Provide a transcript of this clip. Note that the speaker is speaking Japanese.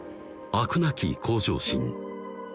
飽くなき向上心